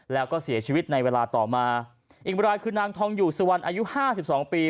แล้วก็เสียชีวิตในเวลาต่อมาอีกรายคือนางทองอยู่สุวรรณอายุห้าสิบสองปี